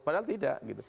padahal tidak gitu